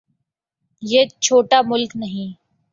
یہ چھوٹا ملک نہیں۔